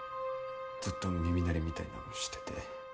ずっと耳鳴りみたいなのしてて。